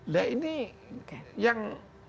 nah ini yang